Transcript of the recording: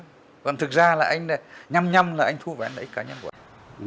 còn thực ra là anh nhầm nhầm là anh thu ván lợi ích cá nhân của anh